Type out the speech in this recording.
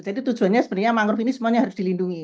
jadi tujuannya sebenarnya mangrove ini semuanya harus dilindungi